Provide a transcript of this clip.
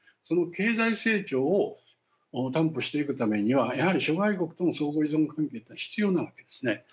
その経済成長を担保していくためにはやはり諸外国との相互依存関係というのが必要なわけですね。